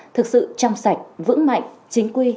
thực sự chăm sạch vững mạnh chính quy